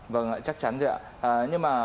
vâng ạ chắc chắn rồi ạ nhưng mà